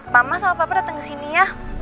mama sama papa datang ke sini ya